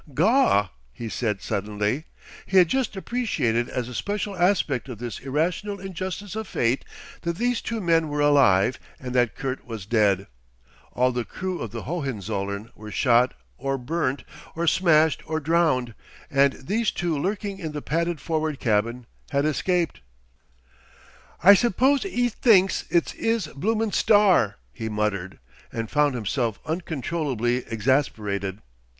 "Gaw!" he said suddenly. He had just appreciated as a special aspect of this irrational injustice of fate that these two men were alive and that Kurt was dead. All the crew of the Hohenzollern were shot or burnt or smashed or drowned, and these two lurking in the padded forward cabin had escaped. "I suppose 'e thinks it's 'is bloomin' Star," he muttered, and found himself uncontrollably exasperated.